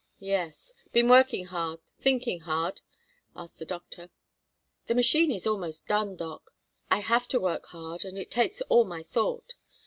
"Yes. Been working hard, thinking hard?" asked the doctor. "The machine is almost done, doc. I have to work hard, and it takes all my thought.